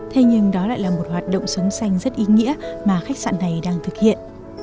thế nhưng đó lại là một hoạt động sống xanh rất ý nghĩa mà khách sạn này đang thực hiện